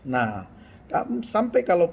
nah sampai kalau